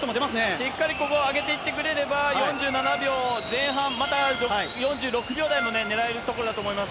しっかりここは上げてくれれば、４７秒前半、また４６秒台も狙えるところだと思います。